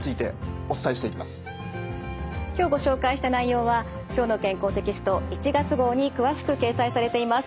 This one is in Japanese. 今日ご紹介した内容は「きょうの健康」テキスト１月号に詳しく掲載されています。